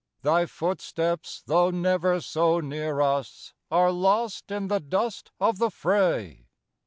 Thy footsteps, though never so near us, Are lost in the dust of the fray.